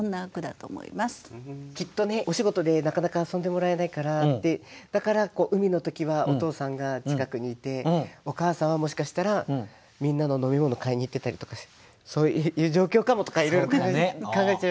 きっとねお仕事でなかなか遊んでもらえないからってだから海の時はお父さんが近くにいてお母さんはもしかしたらみんなの飲み物買いに行ってたりとかしてそういう状況かもとかいろいろ考えちゃいますね。